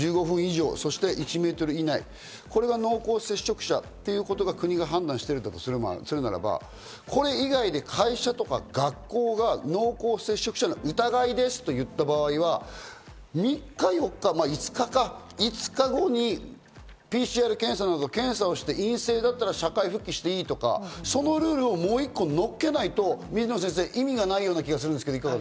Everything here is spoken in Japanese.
１５分以上、そして１メートル以内、これが濃厚接触者ということを国が判断しているとするならば、これ以外で会社とか学校が濃厚接触者の疑いですといった場合は３日、４日、まあ５日か、５日後にＰＣＲ検査などで検査をして陰性だったら社会復帰していいとか、そのルールをもう一個乗っけないと意味がない気がするんですけど？